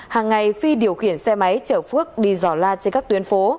hàng ngày phi điều khiển xe máy chở phước đi dò la trên các tuyến phố